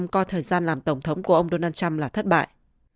năm mươi năm coi thời gian làm tổng thống của ông donald trump là thất bại